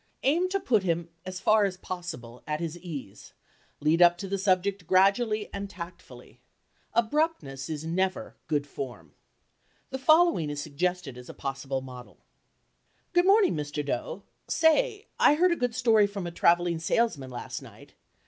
Aim to put him as far as possible at his ease, lead up to the subject gradually and tactfully. Abruptness is never "good form." The following is suggested as a possible model. "Good morning, Mr. Doe, say, I heard a good story from a traveling salesman last night.